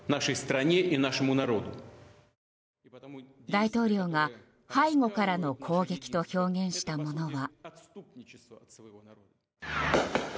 大統領が、背後からの攻撃と表現したものは。